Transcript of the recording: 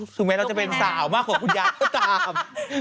ถึงแม้เราจะเป็นสาวมากกว่าคุณยายก็ตาม